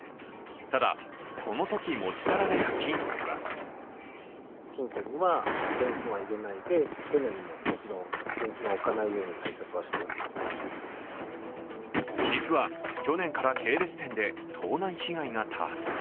ただ、このとき持ち去られた金庫には実は去年から系列店で盗難被害が多発。